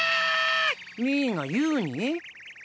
ミーがユーに？